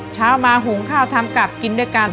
เช้ามาหุงข้าวทำกลับกินด้วยกัน